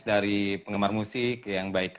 dari penggemar musik yang baik